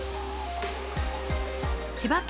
千葉県